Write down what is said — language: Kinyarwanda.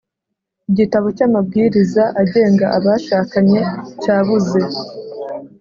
Igitabo cyamabwiriza agenga abashakanye cyabuze